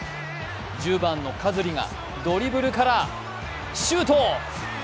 １０番のカズリがドリブルからシュート！